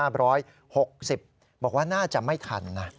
บอกว่าน่าจะไม่ทันนะ